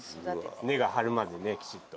根が張るまでねきちっと。